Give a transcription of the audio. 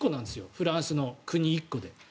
フランスの国で１個。